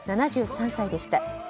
７３歳でした。